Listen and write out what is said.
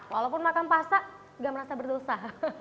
walaupun makan pasta tidak merasa berdosa